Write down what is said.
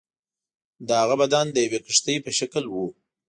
د هغه بدن د یوې کښتۍ په شکل وو.